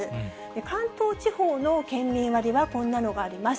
関東地方の県民割はこんなのがあります。